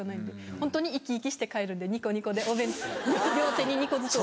ホントに生き生きして帰るんでニコニコで両手に２個ずつお弁当。